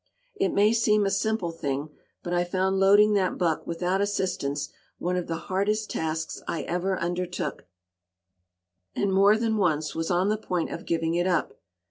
It may seem a simple thing, but I found loading that buck without assistance one of the hardest tasks I ever undertook, and more than once was on the point of giving it up.